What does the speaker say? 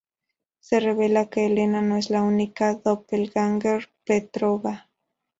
Se revela que Elena no es la única doppelgänger Petrova.